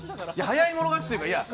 早い者勝ちというかいや。